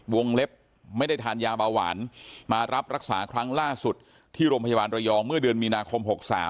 เล็บไม่ได้ทานยาเบาหวานมารับรักษาครั้งล่าสุดที่โรงพยาบาลระยองเมื่อเดือนมีนาคม๖๓